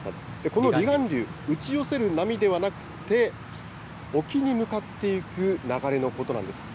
この離岸流、打ち寄せる波ではなくって、沖に向かっていく流れのことなんです。